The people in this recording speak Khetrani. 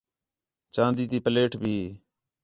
چاندی تی پلیٹ بھی